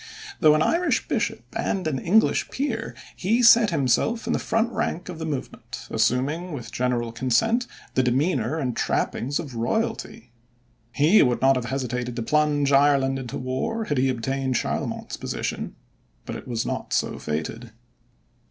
Though an Irish bishop and an English peer, he set himself in the front rank of the movement, assuming with general consent the demeanor and trappings of royalty. He would not have hesitated to plunge Ireland into war, had he obtained Charlemont's position. But it was not so fated.